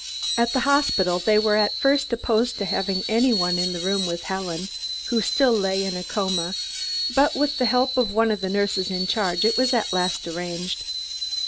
At the hospital they were at first opposed to having any one in the room with Helen, who still lay in a coma, but with the help of one of the nurses in charge, it was at last arranged.